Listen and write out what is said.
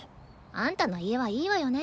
あんたの家はいいわよね。